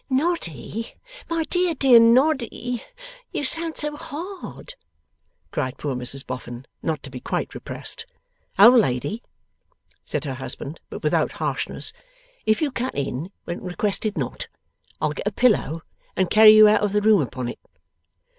'Noddy! My dear, dear Noddy! You sound so hard!' cried poor Mrs Boffin, not to be quite repressed. 'Old lady,' said her husband, but without harshness, 'if you cut in when requested not, I'll get a pillow and carry you out of the room upon it.